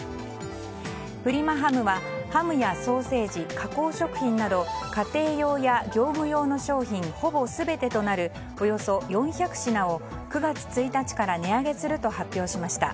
プリマハムはハムやソーセージ加工食品など家庭用や業務用の商品ほぼ全てとなるおよそ４００品を９月１日から値上げすると発表しました。